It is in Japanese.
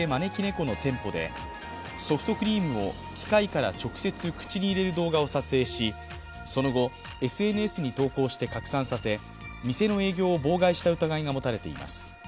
この店舗でソフトクリームを機械から直接口に入れる動画を撮影し、その後、ＳＮＳに投稿して拡散させ店の営業を妨害した疑いが持たれています。